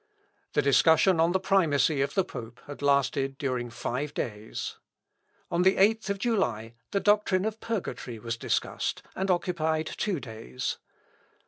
(L. Op. in Præf.) The discussion on the primacy of the pope had lasted during five days. On the 8th of July, the doctrine of purgatory was discussed, and occupied two days.